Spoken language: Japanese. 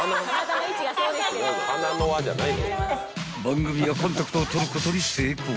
［番組はコンタクトを取ることに成功］